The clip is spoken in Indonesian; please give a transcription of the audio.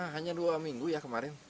hanya dua minggu ya kemarin